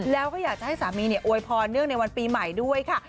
แล้วก็อยากจะให้สามีอวยพรเนื่องในวันปีใหม่ด้วยค่ะ